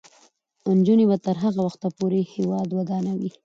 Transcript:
نجونې به تر هغه وخته پورې هیواد ودانوي.